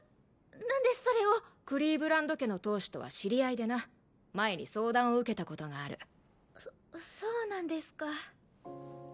何でそれをクリーヴランド家の当主とは知り合いでな前に相談を受けたことがあるそそうなんですか